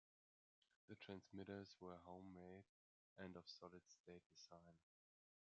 The transmitters were home-made and of solid state design.